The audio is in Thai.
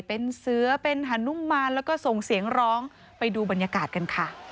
เป็นเสือเป็นฮานุมานแล้วก็ส่งเสียงร้องไปดูบรรยากาศกันค่ะ